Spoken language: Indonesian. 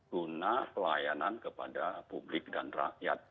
guna pelayanan kepada publik dan rakyat